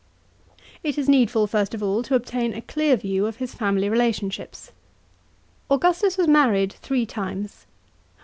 It is needful, first of all, to obtain a clear view of his family relationships. § 2. Augustus was married three times.